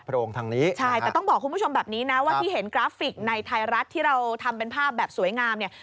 โรงทางนี้ใช่แต่ต้องบอกคุณผู้ชมแบบนี้นะว่าที่เห็นกราฟิกในไทยรัฐที่เราทำเป็นภาพแบบสวยงามเนี่ย